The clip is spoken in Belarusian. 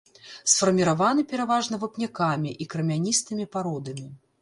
Сфарміраваны пераважна вапнякамі і крамяністымі пародамі.